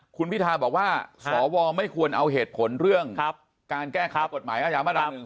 คุณพิธาบอกว่าสวไม่ควรเอาเหตุผลเรื่องการแก้ครับกฎหมายอมด๑๒